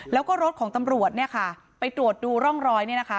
แล้วก็รถของตำรวจเนี่ยค่ะไปตรวจดูร่องรอยเนี่ยนะคะ